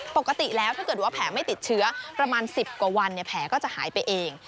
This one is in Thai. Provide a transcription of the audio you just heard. ปกติแล้วถ้าเกิดว่าแผลไม่ติดเชื้อประมาณ๑๐กว่าวันแผลก็จะหายไปเอง